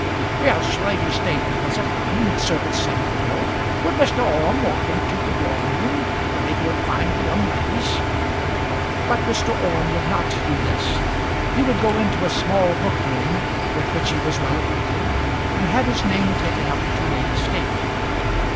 "Yes, Lady Staveley was at home," the servant said at the door. "Would Mr. Orme walk into the drawing room, where he would find the young ladies?" But Mr. Orme would not do this. He would go into a small book room with which he was well acquainted, and have his name taken up to Lady Staveley.